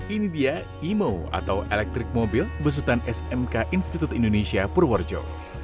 ini dia emo atau elektrik mobil besutan smk institut indonesia purworejo